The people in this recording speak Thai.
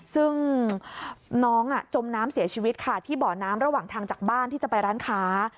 ซึ่งน้องจมน้ำเสียชีวิตค่ะที่เบาะน้ำระหว่างทางจากบ้านที่จะไปร้านค้า